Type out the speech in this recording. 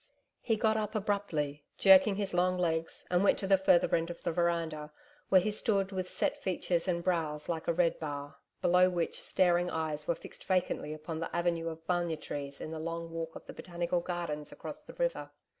He got up abruptly, jerking his long legs, and went to the further end of the veranda, where he stood with set features and brows like a red bar, below which staring eyes were fixed vacantly upon the avenue of bunya trees in the long walk of the Botanical Gardens across the river.